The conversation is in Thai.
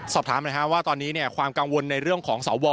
สอบถามนะครับว่าตัวนี้ความกังวลในเรื่องของเสาว่อ